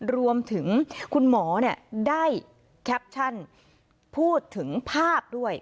รวมถึงคุณหมอได้แคปชั่นพูดถึงภาพด้วย